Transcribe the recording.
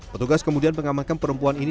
petugas kemudian mengamankan perempuan ini